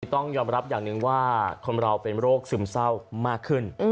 ต้องยอมรับอย่างหนึ่งว่าคนเราเป็นโรคซึมเศร้ามากขึ้น